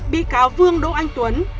bị cáo vương đỗ anh tuấn